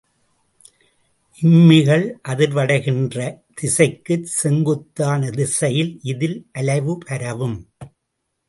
இம்மிகள் அதிர்வடைகின்ற திசைக்குச் செங்குத்தான திசையில் இதில் அலைவு பரவும்.